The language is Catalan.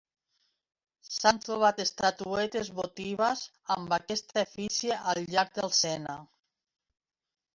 S'han trobat estatuetes votives amb aquesta efígie al llarg del Sena.